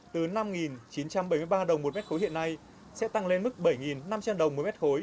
từ năm chín trăm bảy mươi ba đồng một mét khối hiện nay sẽ tăng lên mức bảy năm trăm linh đồng một mét khối